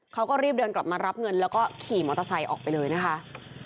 เขาก็รีบเดินกลับมารับเงินแล้วก็ขี่มอเตอร์ไซค์ออกไปเลยนะคะ